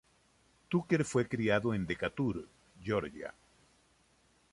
Tucker fue criado en Decatur, Georgia.